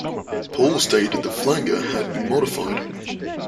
Paul stated the flanger had been modified.